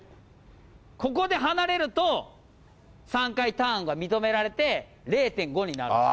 ここで離れると、３回ターンが認められて、０．５になるんです。